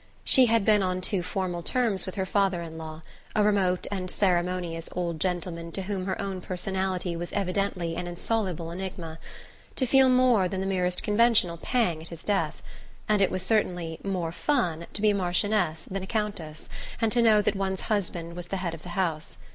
She had been on too formal terms with her father in law a remote and ceremonious old gentleman to whom her own personality was evidently an insoluble enigma to feel more than the merest conventional pang at his death; and it was certainly "more fun" to be a marchioness than a countess, and to know that one's husband was the head of the house.